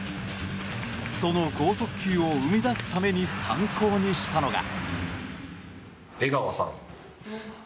その豪速球を生み出すために参考にしたのが。